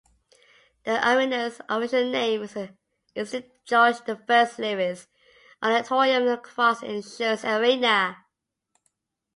The arena's official name is the George I. Lewis Auditorium at Cross Insurance Arena.